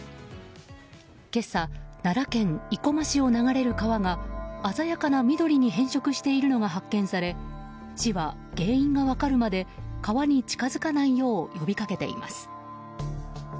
今朝奈良県生駒市を流れる川が鮮やかな緑に変色しているのが発見され市は原因が分かるまで川に近づかないよう呼びかけています。